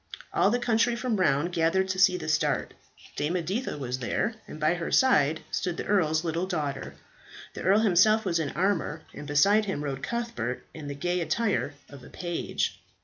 All the country from around gathered to see the start. Dame Editha was there, and by her side stood the earl's little daughter. The earl himself was in armour, and beside him rode Cuthbert in the gay attire of a page.